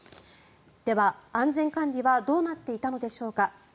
では、安全管理はどうなっていたのでしょうか。